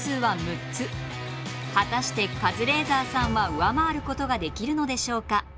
果たしてカズレーザーさんは上回ることができるのでしょうか。